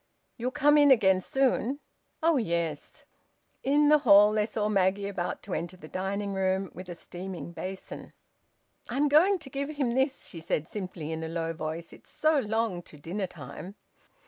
"You'll come in again soon?" "Oh yes." In the hall they saw Maggie about to enter the dining room with a steaming basin. "I'm going to give him this," she said simply in a low voice. "It's so long to dinner time."